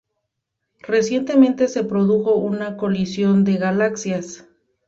Recientemente, se produjo una colisión de galaxias.